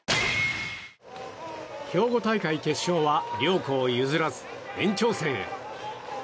兵庫大会決勝は両校譲らず、延長戦へ。